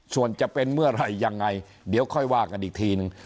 ส่วนจะเป็นเมื่อไหร่ยังไงเดี๋ยวค่อยว่ากันอีกทีนึง